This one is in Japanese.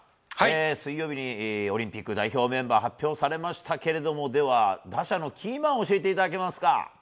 水曜日にオリンピック代表メンバーが発表されましたがでは、打者のキーマンを教えていただけますか。